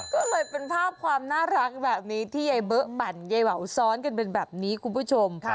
ก็เลยเป็นภาพความน่ารักแบบนี้ที่ยายเบอร์ปั่นยายเหวซ้อนกันเป็นแบบนี้คุณผู้ชม